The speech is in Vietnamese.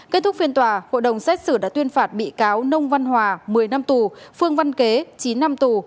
kết thúc phiên tòa hội đồng xét xử đã tuyên phạt bị cáo nông văn hòa một mươi năm tù phương văn kế chín năm tù